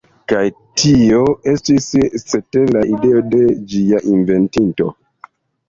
Kaj tio estis, cetere, la ideo de ĝia inventinto.